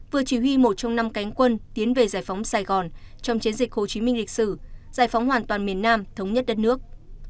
vừa chỉ huy một trong năm cánh quân tiến về giải phóng sài gòn trong chiến dịch hồ chí minh lịch sử giải phóng hoàn toàn miền nam thống nhất đất nước